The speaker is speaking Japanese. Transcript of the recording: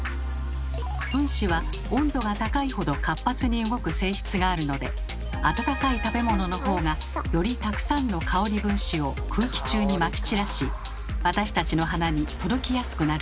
分子は温度が高いほど活発に動く性質があるので温かい食べ物のほうがよりたくさんの香り分子を空気中にまき散らし私たちの鼻に届きやすくなるのです。